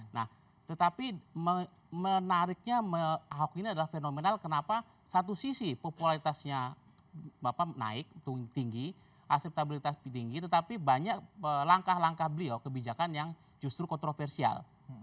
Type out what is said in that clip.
nah tetapi menariknya ahok ini adalah fenomenal kenapa satu sisi popularitasnya bapak naik tinggi aseptabilitas tinggi tetapi banyak langkah langkah beliau kebijakan yang justru kontroversial